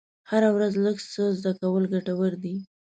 هره ورځ لږ څه زده کول ګټور دي.